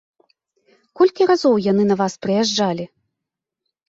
Колькі разоў яны на вас прыязджалі?